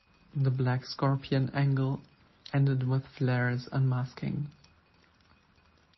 The Black Scorpion angle ended with Flair's unmasking.